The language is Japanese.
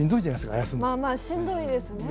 まあまあしんどいですね。